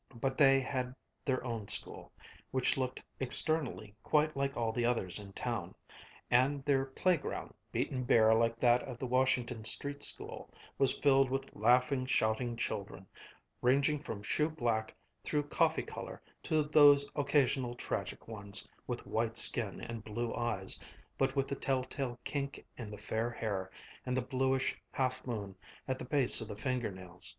But they had their own school, which looked externally quite like all the others in town, and their playground, beaten bare like that of the Washington Street School, was filled with laughing, shouting children, ranging from shoe black through coffee color to those occasional tragic ones with white skin and blue eyes, but with the telltale kink in the fair hair and the bluish half moon at the base of the finger nails.